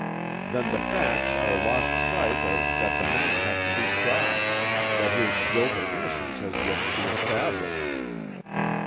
"Then the facts are lost sight of that the man has to be tried, that his guilt or innocence has yet to be established."